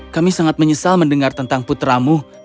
kami sangat menyesal mendengar tentang putramu